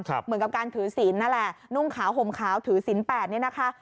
เหมือนกับการถือศีลนั่นแหละนุ่งขาวห่มขาวถือศีลแปดนี่นะคะ